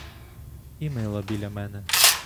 І мила біля мене.